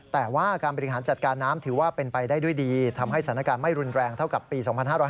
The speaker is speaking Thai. แต่ว่าการบริหารจัดการน้ำถือว่าเป็นไปได้ด้วยดีทำให้สถานการณ์ไม่รุนแรงเท่ากับปี๒๕๕๙